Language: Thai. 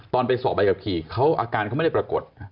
ไปสอบใบขับขี่เขาอาการเขาไม่ได้ปรากฏ